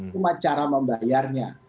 cuma cara membayarnya